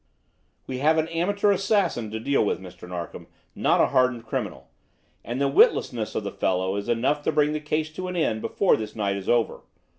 We have an amateur assassin to deal with, Mr. Narkom, not a hardened criminal; and the witlessness of the fellow is enough to bring the case to an end before this night is over.